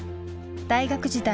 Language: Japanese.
大学時代